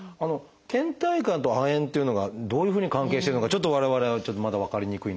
けん怠感と亜鉛っていうのがどういうふうに関係してるのかちょっと我々はまだ分かりにくいのですが。